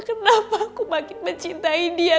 kenapa aku makin mencintai dia